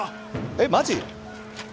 えっマジ？